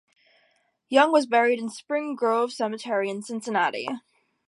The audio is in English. Young was buried in Spring Grove Cemetery in Cincinnati.